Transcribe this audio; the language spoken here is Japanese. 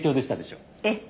ええ。